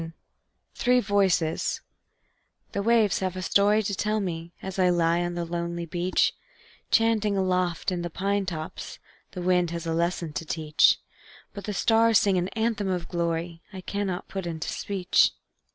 The Three Voices The waves have a story to tell me, As I lie on the lonely beach; Chanting aloft in the pine tops, The wind has a lesson to teach; But the stars sing an anthem of glory I cannot put into speech.